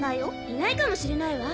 いないかもしれないわ。